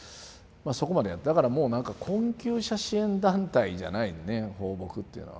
そこまでだからもうなんか困窮者支援団体じゃないのね抱樸っていうのは。